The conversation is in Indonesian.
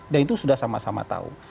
dan itu sudah sama sama tahu